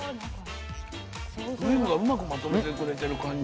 クリームがうまくまとめてくれてる感じ。